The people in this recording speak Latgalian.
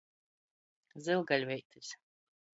Zylgaļveitis.